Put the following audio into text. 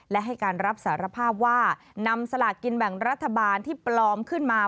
และให้การรับสารภาพว่านำสลากกินแบ่งรัฐบาลที่ปลอมขึ้นมา